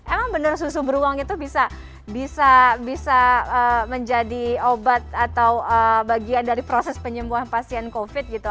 emang bener susu beruang itu bisa menjadi obat atau bagian dari proses penyembuhan pasien covid gitu